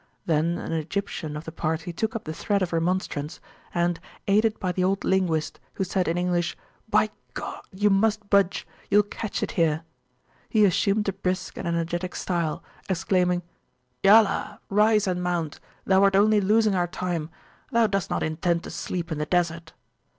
Then an Egyptian of the party took up the thread of remonstrance; and, aided by the old linguist, who said, in English by G! you must budge, youll catch it here! he assumed a brisk and energetic style, exclaiming, Yallah! rise and mount; thou art only losing our time; thou dost not intend to sleep in the Desert!